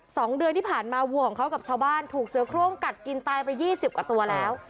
สองเดือนที่ผ่านมาวัวของเขากับชาวบ้านถูกเสือโครงกัดกินตายไปยี่สิบกว่าตัวแล้ว